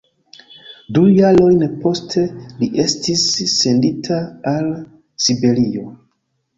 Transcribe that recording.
Du jarojn poste li estis sendita al Siberio.